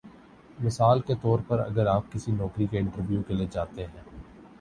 مثال کے طور پر اگر آپ کسی نوکری کے انٹرویو کے لیے جاتے ہیں